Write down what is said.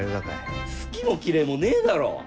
好きも嫌いもねえだろう。